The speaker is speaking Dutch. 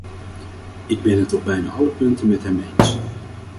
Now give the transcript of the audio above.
Ik ben het op bijna alle punten met hem eens.